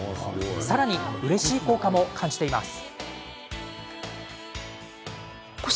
さらに、うれしい効果も感じています。